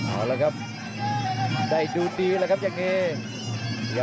เอาละครับได้ดูดีแล้วครับอย่างนี้